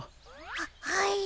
ははい。